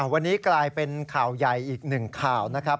วันนี้กลายเป็นข่าวใหญ่อีกหนึ่งข่าวนะครับ